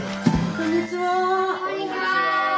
こんにちは。